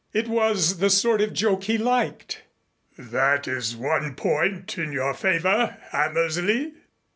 It was the sort of joke he liked. "That is one point in your favor, Hammersley."